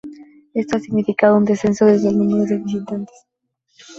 Esto ha significado un descenso del número de visitantes.